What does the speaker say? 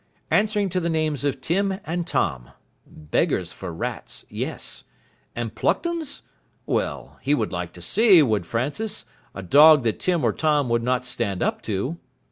Answering to the names of Tim and Tom. Beggars for rats, yes. And plucked 'uns? Well he would like to see, would Francis, a dog that Tim or Tom would not stand up to.